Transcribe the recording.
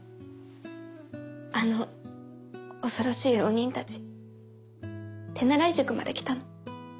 あの恐ろしい浪人たち手習い塾まで来たの。